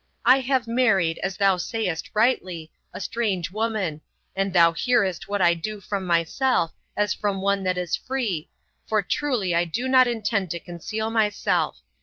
I have married, as thou sayest rightly, a strange woman, and thou hearest what I do from myself as from one that is free, for truly I did not intend to conceal myself.